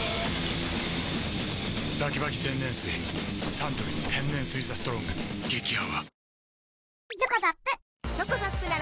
サントリー天然水「ＴＨＥＳＴＲＯＮＧ」激泡